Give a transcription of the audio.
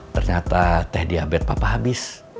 ternyata teh diabetes papa habis